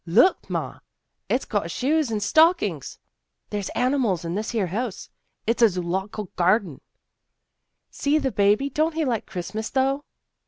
" Look, Ma. It's got shoes and stockings." " There's animals in this here house. It's a zoolog'cal garden." " See the baby! Don't he like Christmas, though!